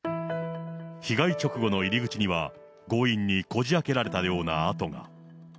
被害直後の入り口には、強引にこじあけられたような跡が。